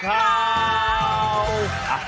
คู่กัดสบัดข่าว